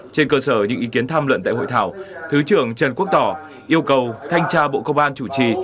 trên cơ sở những ý kiến tham luận tại hội thảo thứ trưởng trần quốc tỏ yêu cầu thanh tra bộ công an chủ trì